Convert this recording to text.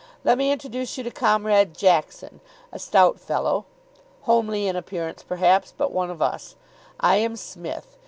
Let me introduce you to Comrade Jackson. A stout fellow. Homely in appearance, perhaps, but one of us. I am Psmith.